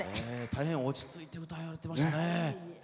大変落ち着いて歌っていましたね。